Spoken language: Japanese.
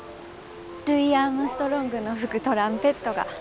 ルイ・アームストロングの吹くトランペットが。